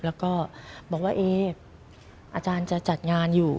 แล้วก็บอกว่าเอ๊อาจารย์จะจัดงานอยู่